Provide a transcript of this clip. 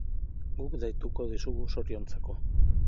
Guk deituko dizugu zoriontzeko.